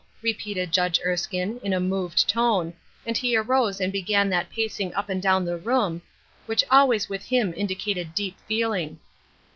repeated Judge Erskine, in a moved tone, and he arose and began that pacing up and down the room, which always with him indicated deep feeling.